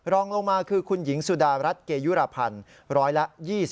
รองลงมาคือคุณหญิงสุดารัฐเกยุรพันธ์ร้อยละ๒๐